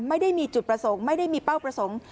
ไม่ได้มีจุดประสงค์ไม่ได้มีเป้าประสงค์